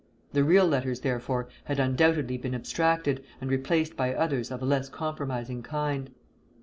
The real letters, therefore, had undoubtedly been abstracted, and replaced by others of a less compromising kind.